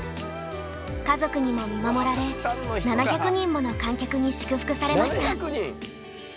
家族にも見守られ７００人もの観客に祝福されました。